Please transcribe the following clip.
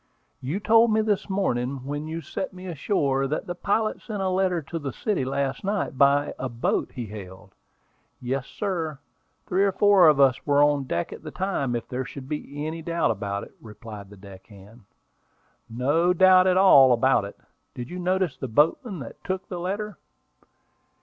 "You told me this morning, when you set me ashore, that the pilot sent a letter to the city last night by a boat he hailed." "Yes, sir; three or four of us were on deck at the time, if there is any doubt about it," replied the deck hand. "No doubt at all about it. Did you notice the boatman that took the letter?"